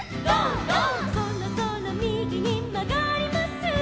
「そろそろみぎにまがります」